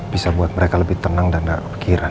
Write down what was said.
bisa buat mereka lebih tenang dan gak kira